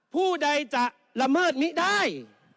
ผู้ใดจะละเมิดมิได้